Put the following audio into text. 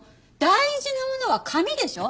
大事なものは紙でしょ。